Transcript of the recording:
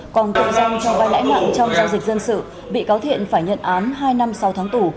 còn tội danh cho vai lãi nặng trong giao dịch dân sự bị cáo thiện phải nhận án hai năm sau tháng tù